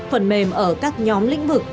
phần mềm ở các nhóm lĩnh vực